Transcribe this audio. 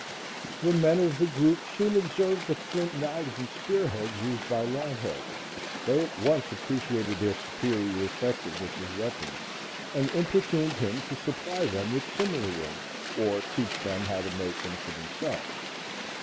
The men of the group soon observed the flint knives and spear heads used by Longhead; they at once appreciated their superior effectiveness as weapons, and importuned him to supply them with similar ones, or teach them how to make them for themselves.